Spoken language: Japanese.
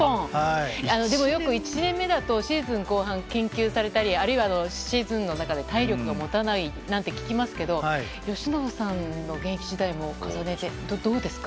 でも、よく１年目だとシーズン後半で研究されたりあるいはシーズンの中で体力が持たないなんて聞きますけど由伸さんの現役時代も重ねてどうですか？